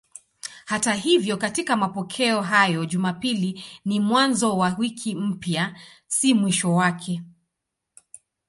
Hata hivyo katika mapokeo hayo Jumapili ni mwanzo wa wiki mpya, si mwisho wake.